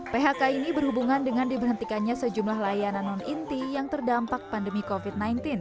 phk ini berhubungan dengan diberhentikannya sejumlah layanan non inti yang terdampak pandemi covid sembilan belas